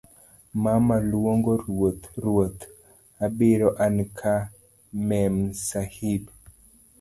mama luongo ruoth ruoth. obiro anka Memsahib.